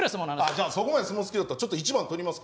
じゃあそこまで相撲好きだったら一番取りますか？